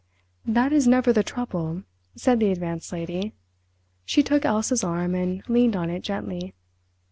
"That is never the trouble," said the Advanced Lady—she took Elsa's arm and leaned on it gently.